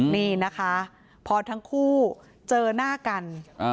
นี่นะคะพอทั้งคู่เจอหน้ากัน